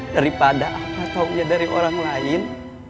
daripada apa taunya dari orang lain